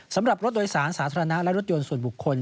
สำหรับรถโดยสารสาธารณะและรถยนต์ส่วนบุคคล